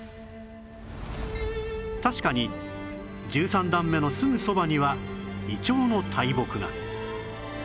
確かに１３段目のすぐそばには銀杏の大木が